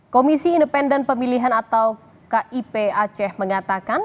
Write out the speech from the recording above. komisi independen pemilihan atau kip aceh mengatakan